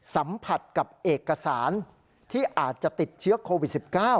สัมผัสกับเอกสารที่อาจจะติดเชื้อโควิด๑๙